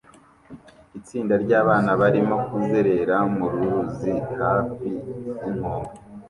Itsinda ryabana barimo kuzerera mu ruzi hafi yinkombe